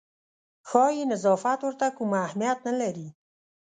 ښایي نظافت ورته کوم اهمیت نه لري.